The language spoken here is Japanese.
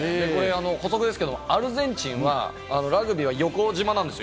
補足ですけれども、アルゼンチンはユニホーム、横縞なんですよ。